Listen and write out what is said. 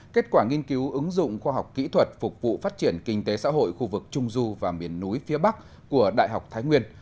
kết quả nghiên cứu ứng dụng khoa học kỹ thuật phục vụ phát triển kinh tế xã hội khu vực trung du và miền núi phía bắc của đại học thái nguyên